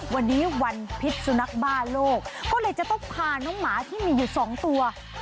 วันนี้วันพิษสุนัขบ้าโลกก็เลยจะต้องพาน้องหมาที่มีอยู่สองตัว